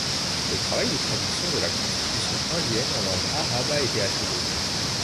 Le travail de traduction de la constitution Indienne en langue arabe a été achevé.